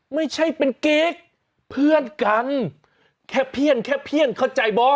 ไม่ใช่เป็นกิ๊กเพื่อนกันแค่เพี้ยนแค่เพี้ยนเข้าใจบ่